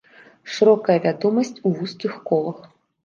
Шырокая вядомасць у вузкіх колах.